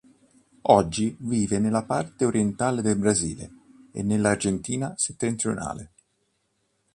Oggi vive nella parte orientale del Brasile e nell'Argentina settentrionale.